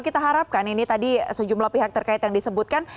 kita harapkan ini tadi sejumlah pihak terkait yang disebutkan